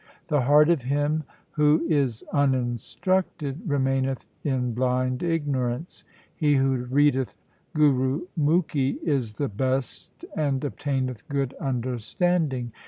The heart of him who is uninstructed remaineth in blind ignorance. He who readeth Gurumukhi is the best and obtaineth good understanding.